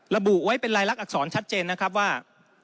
ระบุไว้เป็นรายลักษณอักษรชัดเจนนะครับว่า